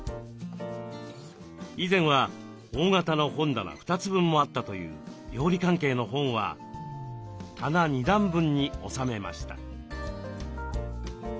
以前は大型の本棚２つ分もあったという料理関係の本は棚２段分に収めました。